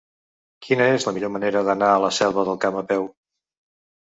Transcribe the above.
Quina és la millor manera d'anar a la Selva del Camp a peu?